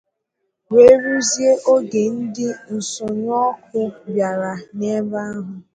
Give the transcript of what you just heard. wee ruzie ogè ndị ọrụ nsọnyụọkụ bịaruru n'ebe ahụ